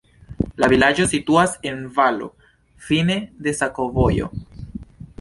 La vilaĝo situas en valo, fine de sakovojo.